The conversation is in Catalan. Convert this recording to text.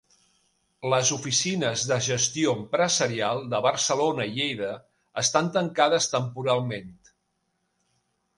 Les oficines de Gestió Empresarial de Barcelona i Lleida estan tancades temporalment.